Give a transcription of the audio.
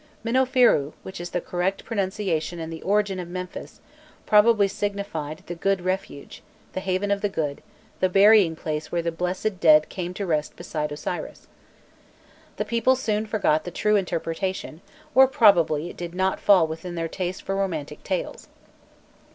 Minnofîrû, which is the correct pronunciation and the origin of Memphis, probably signified "the good refuge," the haven of the good, the burying place where the blessed dead came to rest beside Osiris. The people soon forgot the true interpretation, or probably it did not fall in with their taste for romantic tales.